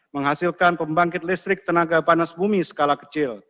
menghasilkan pembangkit listrik tenaga panas bumi skala kecil